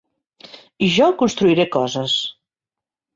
I jo construiré coses.